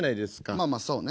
まあまあそうね。